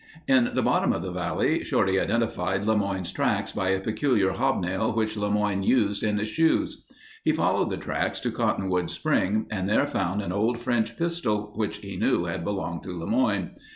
In the bottom of the valley, Shorty identified LeMoyne's tracks by a peculiar hobnail which LeMoyne used in his shoes. He followed the tracks to Cottonwood Spring and there found an old French pistol which he knew had belonged to LeMoyne.